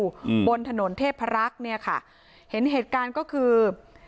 อืมบนถนนเทพรักษ์เนี้ยค่ะเห็นเหตุการณ์ก็คือ